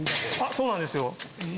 そうなんですよ。